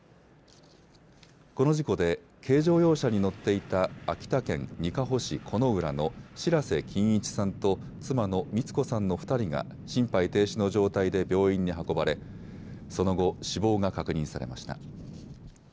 この事故で軽乗用車に乗っていた秋田県にかほ市金浦の白瀬金市さんと妻の光子さんの２人が心肺停止の状態で病院に運ばれその後、死亡が確認されました。